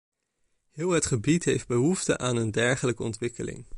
Heel het gebied heeft behoefte aan een dergelijke ontwikkeling.